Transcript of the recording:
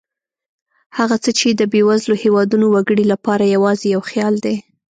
هغه څه چې د بېوزلو هېوادونو وګړو لپاره یوازې یو خیال دی.